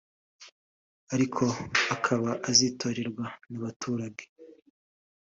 ariko akaba azitorerwa n’abaturage